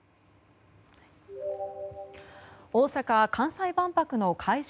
大阪・関西万博の会場